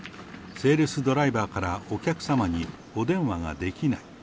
セールスドライバーからお客様にお電話ができない。